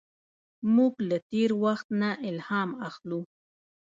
موږ له تېر وخت نه الهام اخلو.